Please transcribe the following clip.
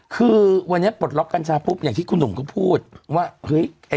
คือวันนี้บทล็อกกัญชาคุกอย่างที่ขุนุงพูดว่า